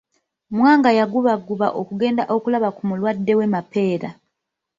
Mwanga yagubagguba okugenda okulaba ku mulwadde we Mapera.